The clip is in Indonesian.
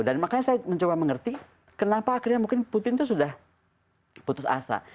dan makanya saya mencoba mengerti kenapa akhirnya mungkin putin tuh sudah putus asa